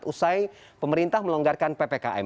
usai pemerintah melonggarkan ppkm